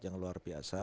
yang luar biasa